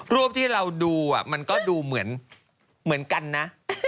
รูปที่เราดูมันก็ดูเหมือนกันนะ